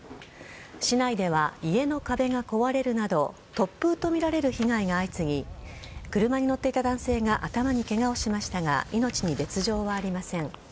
市内では、家の壁が壊れるなど突風とみられる被害が相次ぎ車に乗っていた男性が頭にケガをしましたが命に別状はありません。